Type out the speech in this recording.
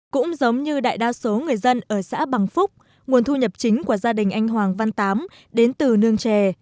cũng giống như đại đa số người dân ở xã bằng phúc nguồn thu nhập chính của gia đình anh hoàng văn tám đến từ nương trè